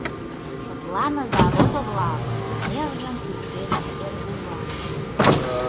— Шыпланыза, родо-влак! — нержым шӱшкеш Эргуваев.